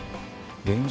現状